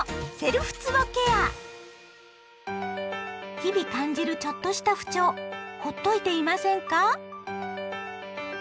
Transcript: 日々感じるちょっとした不調ほっといていませんか？